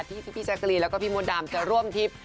ที่พี่แจ๊กรีนแล้วก็พี่มดดำจะร่วมทริป